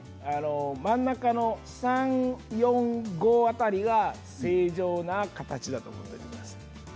真ん中の３、４、５辺りが正常な形だと思ってください。